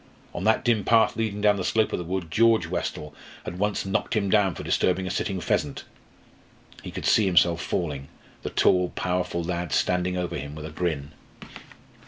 On that dim path leading down the slope of the wood, George Westall had once knocked him down for disturbing a sitting pheasant. He could see himself falling the tall, powerful lad standing over him with a grin.